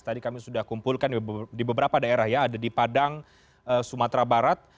tadi kami sudah kumpulkan di beberapa daerah ya ada di padang sumatera barat